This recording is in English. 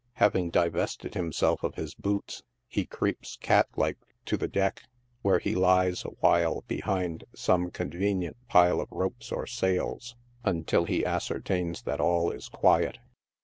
Having divested him self of his boots, he creeps, cat like, to the deck, where he lies awhile behind some convenient pile of ropes or sails, until he ascer tains that all is quiet.